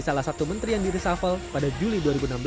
salah satu menteri yang di reshuffle pada juli dua ribu enam belas